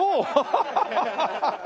ハハハハ！